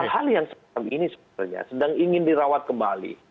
hal yang semacam ini sebenarnya sedang ingin dirawat kembali